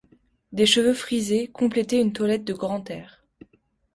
Des cheveux frisés, complétaient une toilette de grand air.